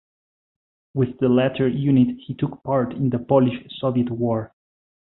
With the latter unit he took part in the Polish-Soviet War.